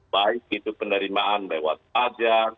baik itu penerimaan lewat pajak